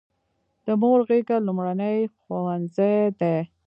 د مور غیږه لومړنی ښوونځی دی.